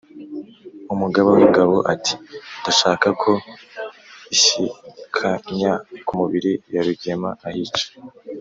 - umugaba w‟ingabo ati: “ndashaka ko„inshyikanya ku mubiri ya rugema ahica‟